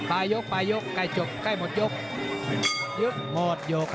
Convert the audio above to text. ปลายุคใกล้หมดยุค